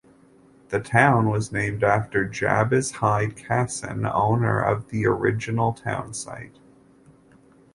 The town was named after Jabez Hyde Kasson, owner of the original townsite.